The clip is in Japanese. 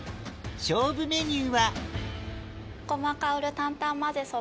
勝負メニューは？